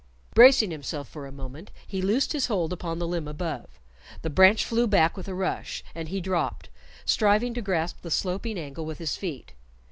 Bracing himself for a moment, he loosed his hold upon the limb above. The branch flew back with a rush, and he dropped, striving to grasp the sloping angle with his feet.